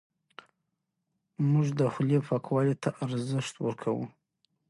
موږ د خولې پاکوالي ته ارزښت ورکوو.